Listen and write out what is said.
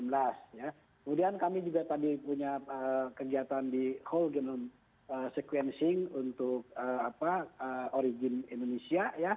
kemudian kami juga tadi punya kegiatan di whole genome sequencing untuk origin indonesia